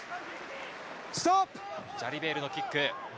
ジャリベールのキック。